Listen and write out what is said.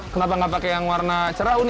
kenapa nggak pakai yang warna cerah uni